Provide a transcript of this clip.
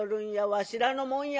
わしらのもんや」。